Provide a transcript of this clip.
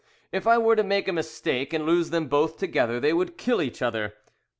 If I were to make a mistake and loose them both together they would kill each other.